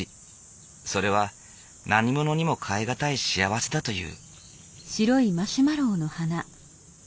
それは何物にも代え難い幸せだという。